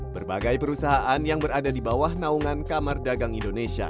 berbagai perusahaan yang berada di bawah naungan kamar dagang indonesia